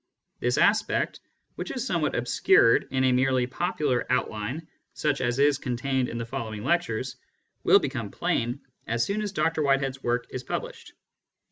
This aspect, which is somewhat obscured in a merely popular outline such as is contained in the following lectures, will become plain as soon as Dr Whitehead's work is published.